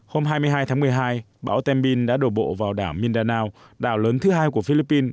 hôm hai mươi hai tháng một mươi hai bão tem bin đã đổ bộ vào đảo mindanao đảo lớn thứ hai của philippines